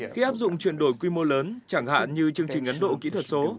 khi áp dụng chuyển đổi quy mô lớn chẳng hạn như chương trình ấn độ kỹ thuật số